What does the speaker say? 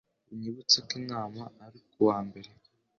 Unyibutse ko inama ari kuwa mbere.